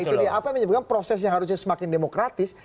itu dia apa yang menyebabkan proses yang harusnya semakin demokratis